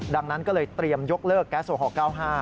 ดังนั้นก็เลยเตรียมยกเลิกแก๊สโอฮอล๙๕